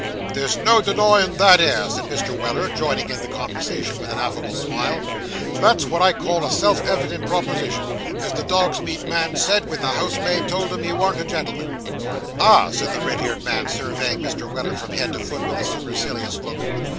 'There's no denying that 'ere,' said Mr. Weller, joining in the conversation, with an affable smile. 'That's what I call a self evident proposition, as the dog's meat man said, when the housemaid told him he warn't a gentleman.' 'Ah,' said the red haired man, surveying Mr. Weller from head to foot with a supercilious look.